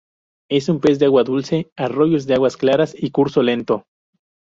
Es un pez de agua dulce. Arroyos de aguas claras y curso lento.